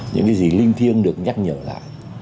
những cái gì linh thiêng được nhắc nhở lại